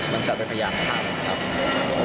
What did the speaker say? มันจัดว่าเป็นพยายามค่าครับ